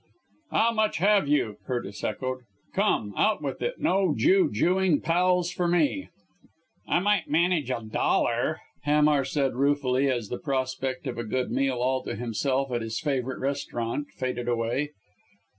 "How much have you?" Curtis echoed, "come, out with it no jew jewing pals for me." "I might manage a dollar," Hamar said ruefully, as the prospect of a good meal all to himself, at his favourite restaurant, faded away.